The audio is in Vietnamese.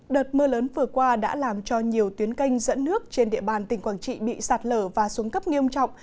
đợt mưa lớn vừa qua đã làm cho nhiều tuyến canh dẫn nước trên địa bàn tỉnh quảng trị bị sạt lở và xuống cấp nghiêm trọng